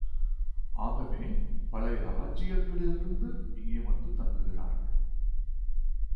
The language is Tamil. ஆகவே பல இராச்சியங்களிலிருந்தும் இங்கு வந்து தங்குகிறார்கள்.